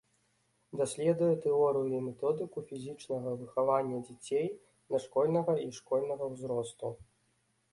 Даследуе тэорыю і методыку фізічнага выхавання дзяцей дашкольнага і школьнага ўзросту.